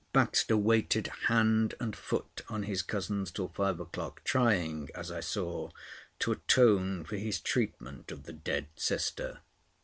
Baxter waited hand and foot on his cousins till five o'clock, trying, as I saw, to atone for his treatment of the dead sister.